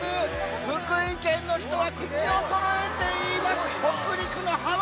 福井県の人は口をそろえて言います。